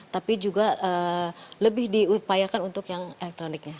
tapi juga lebih diupayakan untuk yang elektroniknya